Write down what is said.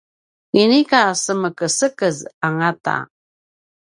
inika semekesekez angata